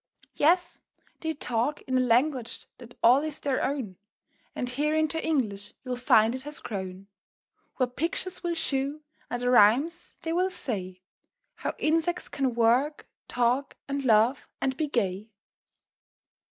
Yes! they talk in a language that all is their own, And here into English you'll find it has grown; Where pictures will shew, and the rhymes they will say, How Insects can work, talk, and laugh, and be gay.